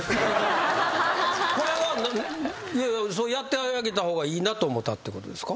これはやってあげた方がいいなと思ったってことですか？